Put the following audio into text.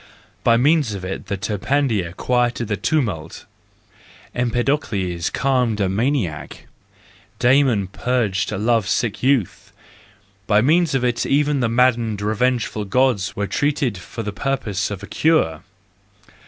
By means of it Terpander quieted a tumult, Empedocles calmed a maniac, Damon purged a love sick youth; by means of it even the maddened, revengeful Gods were treated for the purpose of a cure.